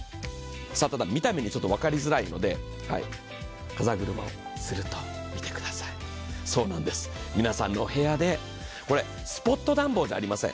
ただ見た目にちょっと分かりづらいので風車をすると、そうなんです、皆さんのお部屋で、これスポット暖房じゃありません。